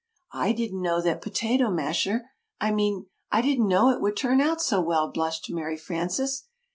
"I didn't know that Potato Masher I mean, I didn't know it would turn out so well," blushed Mary Frances.